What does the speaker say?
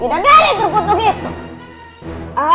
tidak dari terkutuk itu